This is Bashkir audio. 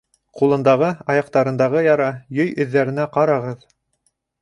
— Ҡулындағы, аяҡтарындағы яра, йөй эҙҙәренә ҡарағыҙ.